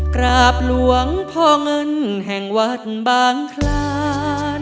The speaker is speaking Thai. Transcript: กราบหลวงพ่อเงินแห่งวัดบางคลาน